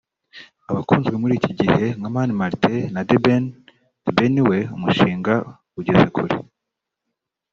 abakunzwe muri iki gihe nka Mani Martin na The Ben […] The Ben we umushinga ugeze kure